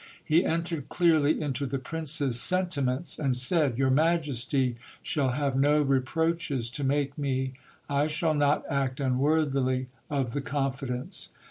He entered clearly into the prince's sentiments, and said : Your majesty shall have no reproaches to make me. I shall not act unworthily of the confidence